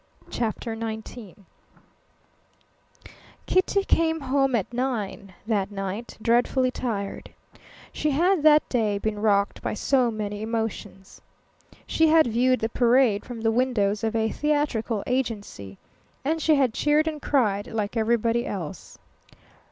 CHAPTER XIX Kitty came home at nine that night, dreadfully tired. She had that day been rocked by so many emotions. She had viewed the parade from the windows of a theatrical agency, and she had cheered and cried like everybody else.